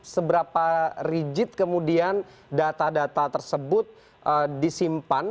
seberapa rigid kemudian data data tersebut disimpan